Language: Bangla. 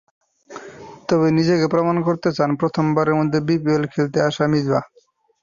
তবে নিজেকে প্রমাণ করতে চান প্রথমবারের মতো বিপিএল খেলতে আসা মিসবাহ।